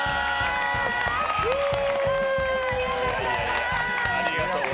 ありがとうございます！